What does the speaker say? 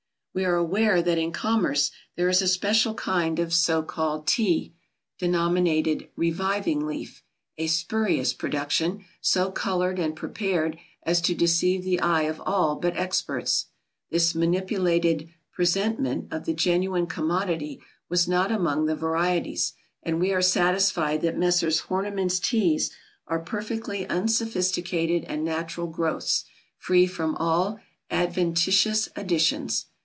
We are aware that in commerce there is a special kind of so called Tea, denominated "Reviving Leaf," a spurious production, so coloured and prepared as to deceive the eye of all but experts. This manipulated "presentment" of the genuine commodity was not among the varieties; and we are satisfied that Messrs. Horniman's Teas are perfectly unsophisticated and natural growths, free from all adventitious "additions."